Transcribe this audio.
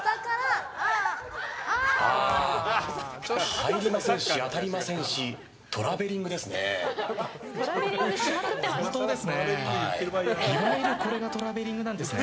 入りませんし、当たりませんしトラベリングですね。